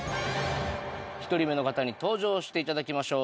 １人目の方に登場していただきましょう！